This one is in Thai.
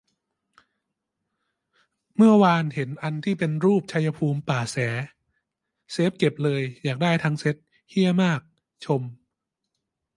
เมื่อวานเห็นอันที่เป็นรูป ชัยภูมิ ป่าแส เซฟเก็บเลย อยากได้ทั้งเซ็ต เหี้ยมาก ชม